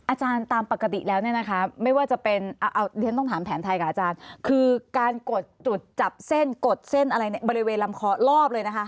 อาจารย์ตามปกติแล้วเนี่ยนะคะไม่ว่าจะเป็นเรียนต้องถามแผนไทยกับอาจารย์คือการกดจุดจับเส้นกดเส้นอะไรในบริเวณลำคอรอบเลยนะคะ